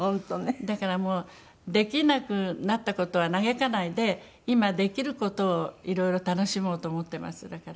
だからもうできなくなった事は嘆かないで今できる事をいろいろ楽しもうと思ってますだから。